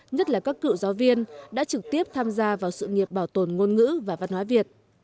nhất là các cựu giáo viên đã trực tiếp tham gia vào sự nghiệp bảo tồn ngôn ngữ và văn hóa việt